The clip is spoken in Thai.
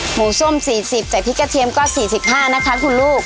ส้ม๔๐ใส่พริกกระเทียมก็๔๕นะคะคุณลูก